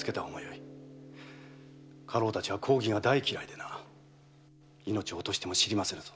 家老たちは公儀が大嫌いでな命を落としても知りませぬぞ。